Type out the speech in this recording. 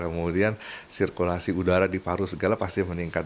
kemudian sirkulasi udara di paru segala pasti meningkat